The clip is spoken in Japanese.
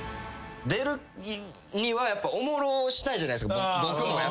出るにはやっぱおもろしたいじゃないですか。